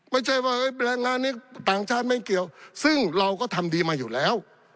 ไม่ใช่ว่าแรงงานนี้ต่างชาติไม่เกี่ยวซึ่งเราก็ทำดีมาอยู่แล้ว